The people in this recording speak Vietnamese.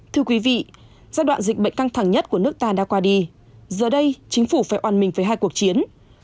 thưa quý vị giai đoạn dịch bệnh căng thẳng nhất của nước ta đã qua đi giờ đây chính phủ phải oàn mình với hai cuộc chiến